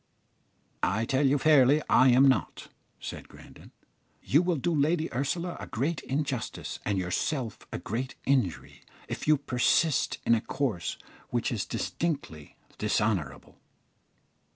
"I tell you fairly I am not," said Grandon. "You will do Lady Ursula a great injustice, and yourself a great injury, if you persist in a course which is distinctly dishonourable."